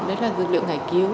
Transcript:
đó là dược liệu ngải cứu